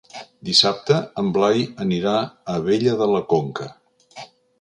Dissabte en Blai anirà a Abella de la Conca.